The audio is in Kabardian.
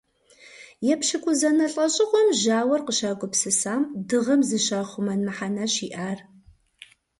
Епщыкӏузанэ лӏэщӏыгъуэм жьауэр къыщагупсысам дыгъэм зыщахъумэн мыхьэнэщ иӏар.